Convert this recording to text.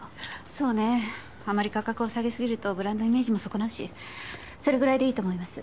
そうねあまり価格を下げすぎるとブランドイメージも損なうしそれぐらいでいいと思います。